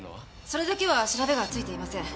それだけは調べがついていません。